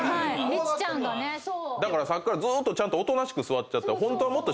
さっきからずーっとちゃんとおとなしく座っちゃって。